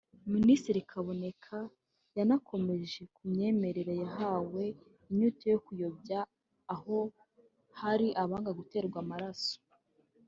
Minisitiri Kaboneka yanakomoje ku myemerere yahawe inyito yo kuyobya aho hari abanga guterwa amaraso